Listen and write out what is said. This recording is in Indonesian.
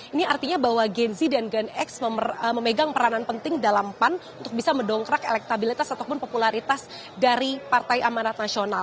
ini artinya bahwa gen z dan gen x memegang peranan penting dalam pan untuk bisa mendongkrak elektabilitas ataupun popularitas dari partai amanat nasional